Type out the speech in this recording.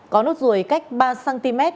có nốt ruồi cách ba cm